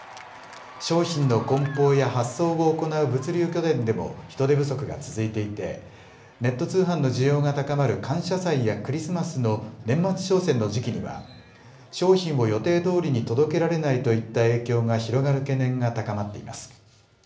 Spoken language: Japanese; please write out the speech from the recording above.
商品のこん包や発送を行う物流拠点でも、人手不足が続いていて、ネット通販の需要が高まる感謝祭やクリスマスの年末商戦の時期には、商品を予定どおりに届けられないといった影響が広がる懸念が高まっています。